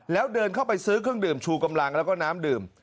แล้วเดินเข้าไปซื้อเครื่องดื่มชูกำลังแล้วก็น้ำดื่ม